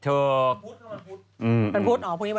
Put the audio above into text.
ถูก